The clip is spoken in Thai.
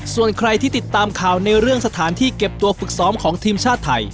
ส่วนใครที่ติดตามข่าวในเรื่องสถานที่เก็บตัวฝึกซ้อมของทีมชาติไทย